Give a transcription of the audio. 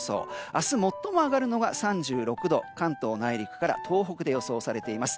明日、最も上がるのが３６度関東内陸から東北で予想されています。